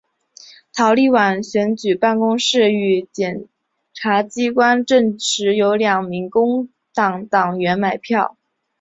立陶宛选举办公室与检察机关证实有两名工党党员买票。